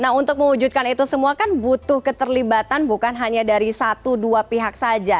nah untuk mewujudkan itu semua kan butuh keterlibatan bukan hanya dari satu dua pihak saja